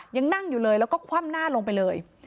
ยังนั่งอยู่เลยแล้วก็คว่ำหน้าลงไปเลย